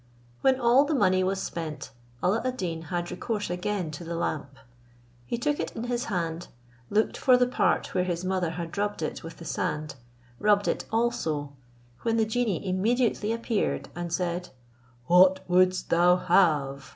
When all the money was spent, A]la ad Deen had recourse again to the lamp. He took it in his hand, looked for the part where his mother had rubbed it with the sand, rubbed it also, when the genie immediately appeared, and said, "What wouldst thou have?"